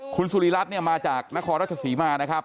คุณสุริรัตน์เนี่ยมาจากนครราชศรีมานะครับ